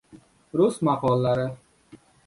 Rus maqollari